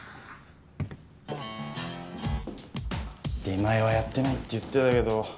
出前はやってないって言ってたけど。